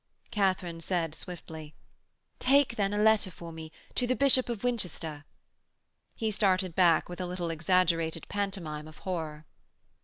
Katharine said swiftly: 'Take, then, a letter for me to the Bishop of Winchester!' He started back with a little exaggerated pantomime of horror.